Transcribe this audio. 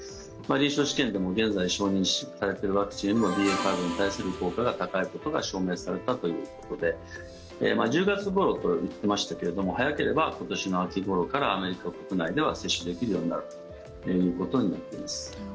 臨床試験でも現在承認されているワクチンよりもＢＡ．５に対する効果が高いことが証明されたということで１０月ごろと言ってましたけれど早ければ今年の秋ごろからアメリカ国内では接種できるようになるということになっています。